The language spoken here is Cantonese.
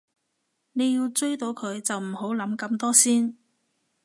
你要追到佢就唔好諗咁多先